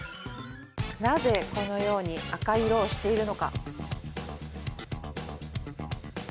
なぜこのように赤い色をしているのか。